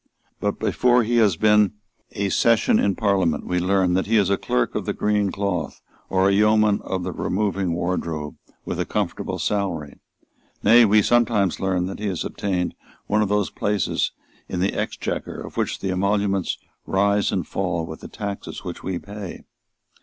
But before he has been a session in Parliament we learn that he is a Clerk of the Green Cloth or a Yeoman of the Removing Wardrobe, with a comfortable salary. Nay, we sometimes learn that he has obtained one of those places in the Exchequer of which the emoluments rise and fall with the taxes which we pay.